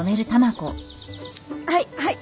はいはい。